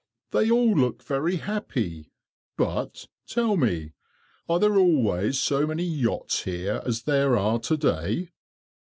"They all look very happy. But, tell me, are there always so many yachts here as there are to day?"